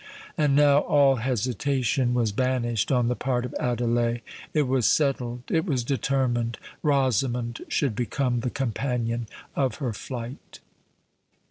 And now all hesitation was banished on the part of Adelais:—it was settled—it was determined—Rosamond should become the companion of her flight!